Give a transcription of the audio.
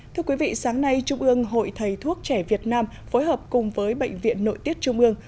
thưa quý vị sáng nay trung ương hội thầy thuốc trẻ việt nam phối hợp cùng với bệnh viện nội tiết trung ương